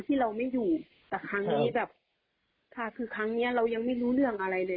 เพราะว่าเมื่อวานที่เขามาคือเราไม่ได้พูดอะไรเลย